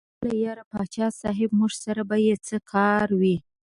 ویې ویل: یار پاچا صاحب موږ سره به یې څه کار وي.